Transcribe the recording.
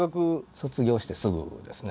卒業してすぐですね。